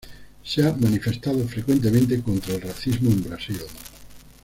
Se ha manifestado frecuentemente contra el racismo en Brasil.